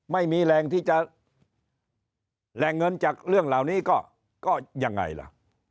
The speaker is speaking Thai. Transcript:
ไม่มีแรงที่จะแหล่งเงินจากเรื่องเหล่านี้ก็ยังไงล่ะ